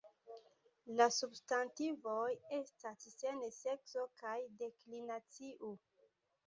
La substantivoj estas sen sekso kaj deklinacio.